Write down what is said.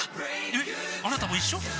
えっあなたも一緒？